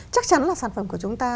chắc chắn là sản phẩm của chúng ta